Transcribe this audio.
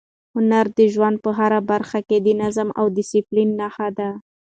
هنر د ژوند په هره برخه کې د نظم او ډیسپلین نښه ده.